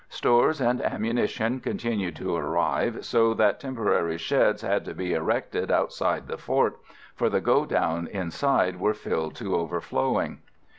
Stores and ammunition continued to arrive, so that temporary sheds had to be erected outside the fort, for the go downs inside were filled to overflowing.